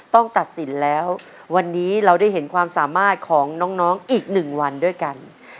ต้องตัดสินแล้ววันนี้เราได้เห็นความสามารถของน้องอีก๑วันด้วยกัน